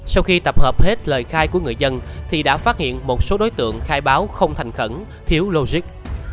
sau khi tập hợp hết lời khai của người dân thì đã phát hiện một số đối tượng khai báo không thành khẩn thiếu logic